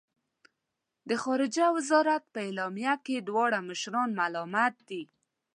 د خارجه وزارت په اعلامیه کې دواړه مشران ملامت دي.